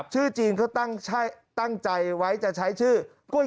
ชื่อจีนเขาตั้งใจไว้จะใช้ชื่อกล้วย